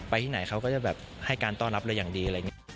ไปไหนเค้าก็จะให้การต้อนับอะไรอย่างดี